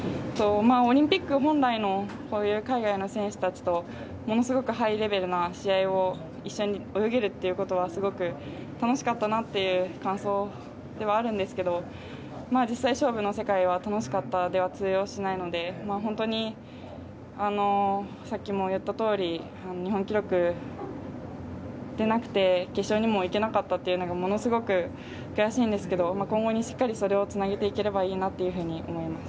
オリンピック本来のこういう海外の選手たちとものすごくハイレベルな試合を一緒に泳げるということはすごく楽しかったなという感想ではあるんですけど実際、勝負の世界は楽しかったでは通用しないので本当に、さっきも言ったとおり日本記録出なくて決勝にもいけなかったというのがものすごく悔しいんですけど今後にしっかりそれをつなげていければいいなと思います。